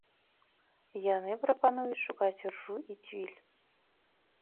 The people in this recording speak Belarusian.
Яны прапануюць шукаць іржу і цвіль.